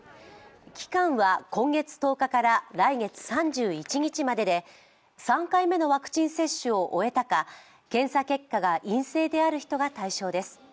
期間は今月１０日から来月３１日までで３回目のワクチン接種を終えたか、検査結果が陰性である人が対象です。